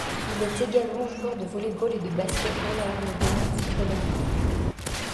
Il est également joueur de volley-ball et de basket-ball avant de devenir footballeur.